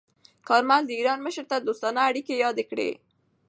کارمل د ایران مشر ته دوستانه اړیکې یادې کړې.